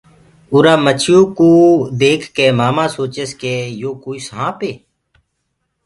اُرآ مڇيو ڪوُ ديک ڪي مآمآ سوچس ڪي يو ڪوئي سآنپ هي۔